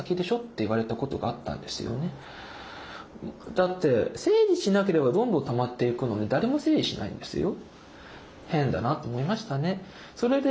だって整理しなければどんどんたまっていくのに誰も整理しないんですよ。